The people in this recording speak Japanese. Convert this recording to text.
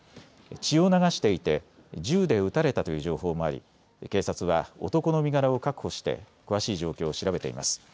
血を流していて銃で撃たれたという情報もあり警察は男の身柄を確保して詳しい状況を調べています。